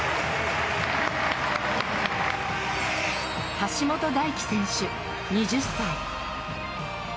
橋本大輝選手、２０歳。